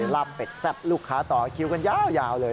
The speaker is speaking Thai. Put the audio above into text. ลาบเป็ดแซ่บลูกค้าต่อคิวกันยาวเลย